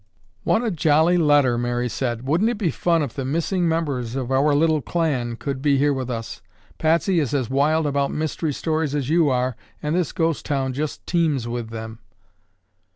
"What a jolly letter!" Mary said. "Wouldn't it be fun if the missing members of our little clan could be here with us. Patsy is as wild about mystery stories as you are and this ghost town just teems with them."